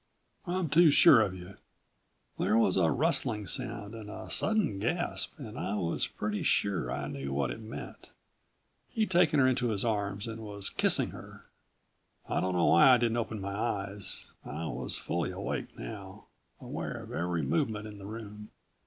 "I'm too sure of you." There was a rustling sound and a sudden gasp and I was pretty sure I knew what it meant. He'd taken her into his arms and was kissing her. I don't know why I didn't open my eyes. I was fully awake now, aware of every movement in the room.